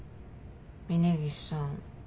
峰岸さん